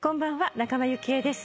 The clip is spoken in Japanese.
仲間由紀恵です。